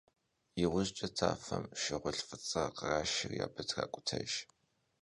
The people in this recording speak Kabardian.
ИужькӀэ тафэм щӀыгулъ фӀыцӀэ кърашри абы тракӀутэж.